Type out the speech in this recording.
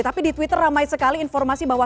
tapi di twitter ramai sekali informasi bahwa